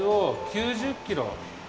９０キロ！